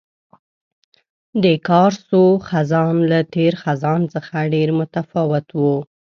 د کارسو خزان له تېر خزان څخه ډېر متفاوت وو.